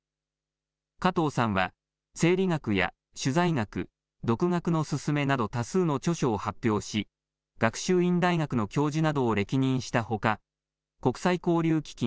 加藤さんは整理学や取材学独学のすすめなど多数の著書を発表し学習院大学の教授などを歴任したほか国際交流基金